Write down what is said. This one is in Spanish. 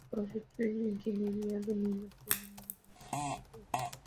Los estudios de Ingeniería de minas tienen una larga tradición.